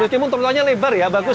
menurutmu trotoarnya lebar ya bagus